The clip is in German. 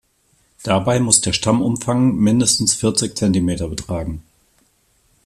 Dabei muss der Stammumfang mindestens vierzig Zentimeter betragen.